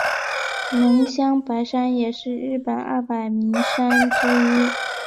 能乡白山也是日本二百名山之一。